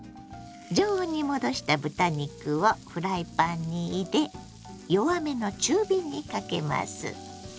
常温に戻した豚肉をフライパンに入れ弱めの中火にかけます。